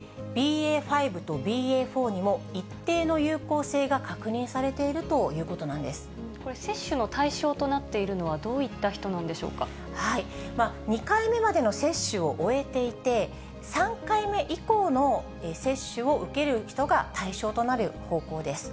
そして、ＢＡ．５とＢＡ．４にも一定の有効性が確認されているということ接種の対象となっているのは、２回目までの接種を終えていて、３回目以降の接種を受ける人が対象となる方向です。